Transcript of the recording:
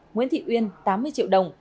nguyễn thị uyên tám mươi triệu đồng